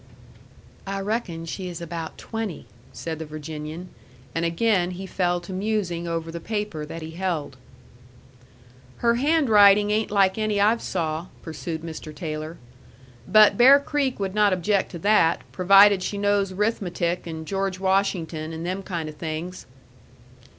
"I reckon she is about twenty," said the Virginian. And again he fell to musing over the paper that he held. "Her handwriting ain't like any I've saw," pursued Mr. Taylor. "But Bear Creek would not object to that, provided she knows 'rithmetic and George Washington, and them kind of things."